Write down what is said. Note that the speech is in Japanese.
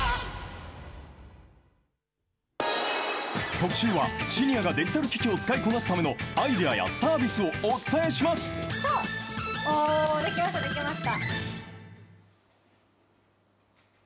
特集はシニアがデジタル機器を使いこなすためのアイデアやサ出来ました、出来ました。